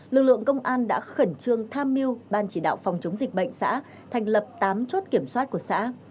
lực lượng công an đã khẩn trương tham mưu ban chỉ đạo phòng chống dịch bệnh xã thành lập tám chốt kiểm soát của xã